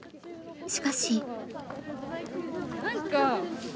しかし。